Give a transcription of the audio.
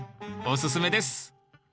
おすすめです